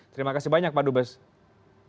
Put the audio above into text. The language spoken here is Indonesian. terima kasih banyak pak duta besar